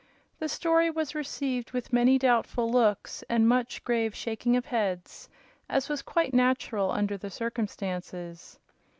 The story was received with many doubtful looks and much grave shaking of heads, as was quite natural under the circumstances.